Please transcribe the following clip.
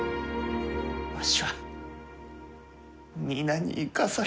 わしは皆に生かされた。